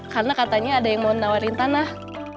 karena katanya ada yang mau nawarin tanah